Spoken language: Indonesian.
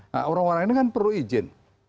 nah orang orang ini kan perlu izin